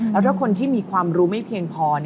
แล้วถ้าคนที่มีความรู้ไม่เพียงพอ